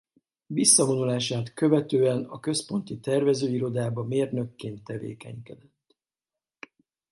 Visszavonulását követően a Központi Tervező Irodába mérnökként tevékenykedett.